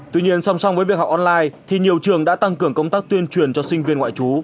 tuy nhiên song song với việc học online thì nhiều trường đã tăng cường công tác tuyên truyền cho sinh viên ngoại trú